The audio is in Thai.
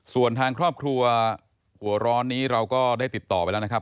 ส่วนทางครอบครัวหัวร้อนนี้เราก็ได้ติดต่อไปแล้วนะครับ